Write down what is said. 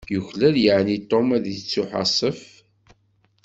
Yuklal yeεni Tom ad ittuḥasef?